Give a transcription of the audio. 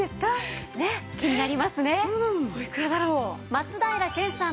松平健さん